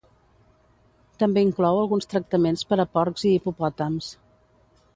També inclou alguns tractaments per a porcs i hipopòtams.